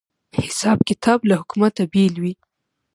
حساب کتاب له حکومته بېل وي